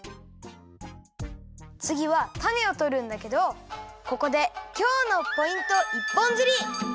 つぎはたねをとるんだけどここで今日のポイント一本釣り！